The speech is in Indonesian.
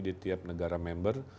di tiap negara member